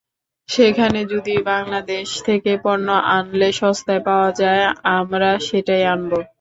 সেখানে যদি বাংলাদেশ থেকে পণ্য আনলে সস্তায় পাওয়া যায়, আমরা সেটাই আনব।